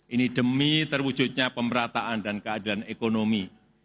ini demi terwujudnya pemerataan dan keadilan ekonomi